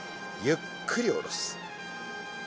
ゆっくり下ろす。